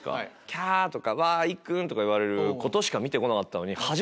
キャ！とか育っくん！とか言われることしか見なかったのに。